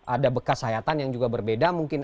ada bekas hayatan yang juga berbeda mungkin